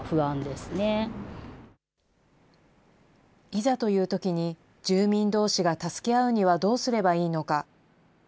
いざというときに、住民どうしが助け合うにはどうすればいいのか。